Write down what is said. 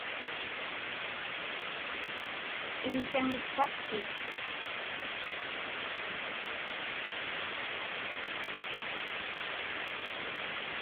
Iḷisaŋitpatkik?